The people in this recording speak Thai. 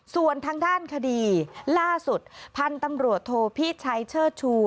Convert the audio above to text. ส่วนทางด้านคดีล่าสุดพันธุ์ตำรวจโทพิชัยเชิดชู